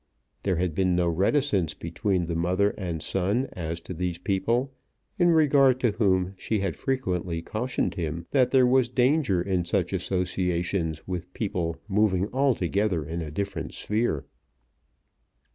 There had been no reticence between the mother and son as to these people, in regard to whom she had frequently cautioned him that there was danger in such associations with people moving altogether in a different sphere.